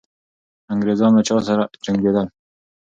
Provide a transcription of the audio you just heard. انګریزان له چا سره جنګېدل؟